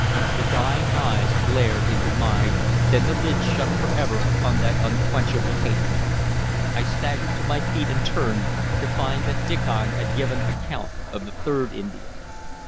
The dying eyes glared into mine; then the lids shut forever upon that unquenchable hatred. I staggered to my feet and turned, to find that Diccon had given account of the third Indian.